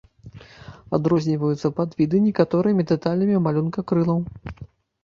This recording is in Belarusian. Адрозніваюцца падвіды некаторымі дэталямі малюнка крылаў.